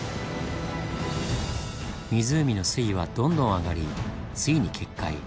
湖の水位はどんどん上がりついに決壊。